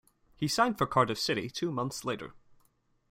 He signed for Cardiff City two months later.